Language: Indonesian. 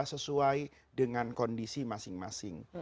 sesuai dengan kondisi masing masing